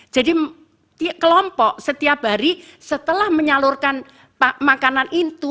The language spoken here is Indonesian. jadi kelompok setiap hari setelah menyalurkan makanan itu